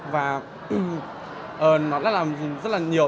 và nó đã làm rất là nhiều